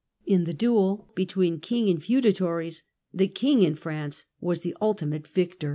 In the duel between king and feudatories, the king, in France, was the ultimate victor.